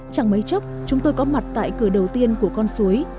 chẳng mấy chốc chúng tôi có mặt tại cửa đầu tiên của con suối